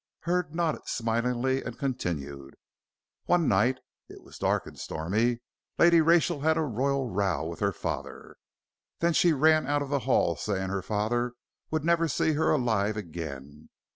Hurd nodded smilingly and continued. "One night it was dark and stormy Lady Rachel had a row royal with her father. Then she ran out of the Hall saying her father would never see her alive again.